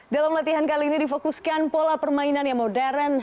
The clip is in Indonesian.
dalam latihan kali ini difokuskan pola permainan yang modern